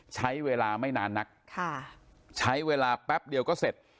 ใช้เวลาไม่นานนักค่ะใช้เวลาแป๊บเดียวก็เสร็จ